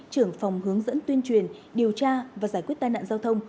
trưởng phòng hướng dẫn tuyên truyền điều tra và giải quyết tai nạn giao thông